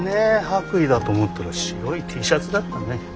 白衣だと思ったら白いＴシャツだったね。